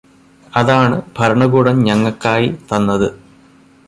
അതാണ് ഭരണകൂടം ഞങ്ങക്കായി തന്നത്